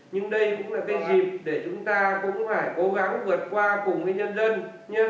nhưng đây cũng là cái dịp để chúng ta cũng phải cố gắng vượt qua cùng với nhân dân